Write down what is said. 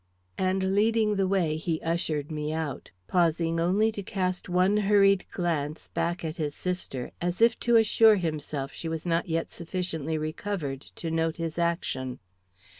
And, leading the way, he ushered me out, pausing only to cast one hurried glance back at his sister, as if to assure himself she was not yet sufficiently recovered to note his action.